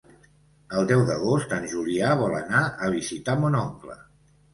El deu d'agost en Julià vol anar a visitar mon oncle.